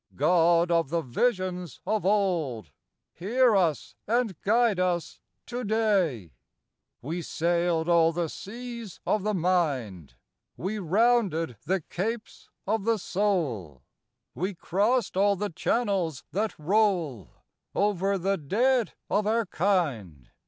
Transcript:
God of the visions of old, Hear us and guide us today. III We sailed all the Seas of the Mind, VVe rounded the Capes of the Soul, 65 We crossed all the Channels that roll Over the dead of our kind.